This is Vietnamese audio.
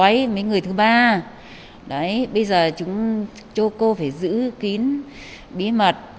mấy người thứ ba bây giờ chúng cho cô phải giữ kín bí mật